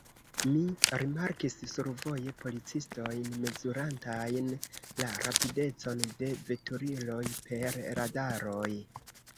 Mi rimarkis survoje policistojn mezurantajn la rapidecon de veturiloj per radaroj.